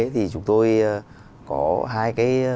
thì chúng tôi có hai cái